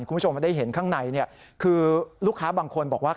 คุณผู้ชมได้เห็นข้างในคือลูกค้าบางคนบอกว่า